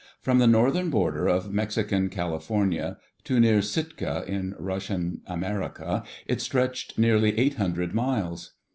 From the northern border of Mexican California to near Sitka in Russian America it stretched, nearly eight hundred miles.